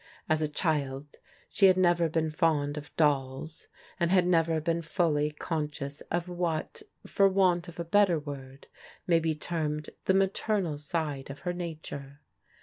As a child she had never been fond of dolls, and had never been fully con scious of what, for want of a better word, may be termed the maternal side of her nature.